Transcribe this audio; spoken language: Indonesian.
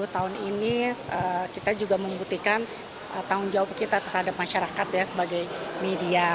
dua puluh tahun ini kita juga membuktikan tanggung jawab kita terhadap masyarakat ya sebagai media